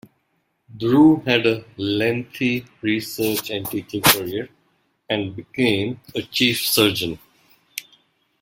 Drew had a lengthy research and teaching career and became a chief surgeon.